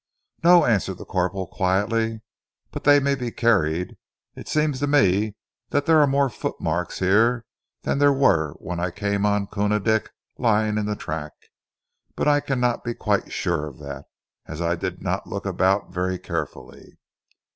"No," answered the corporal quietly. "But they may be carried. It seems to me that there are more footmarks here than there were when I came on Koona Dick lying in the track; but I cannot be quite sure of that, as I did not look about very carefully."